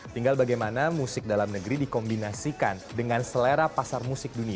tinggal bagaimana musik dalam negeri dikombinasikan dengan selera pasar musik dunia